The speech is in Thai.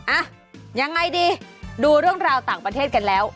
อ่ะยังไงดีดูเรื่องราวต่างประเทศกันแล้ว